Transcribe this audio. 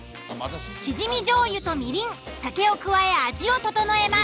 シジミ醤油とみりん酒を加え味を調えます。